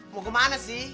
mau kemana sih